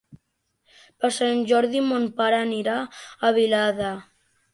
Per Sant Jordi mon pare anirà a Vilada.